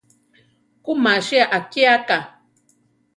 Ku masia akíaka.